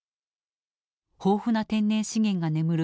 豊富な天然資源が眠る